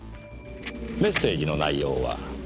メッセージの内容は。